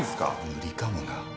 無理かもな。